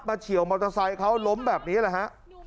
เฉียวมอเตอร์ไซค์เขาล้มแบบนี้แหละฮะ